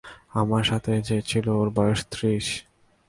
আমার সাথে যে ছিলো ওর বয়স ত্রিশ।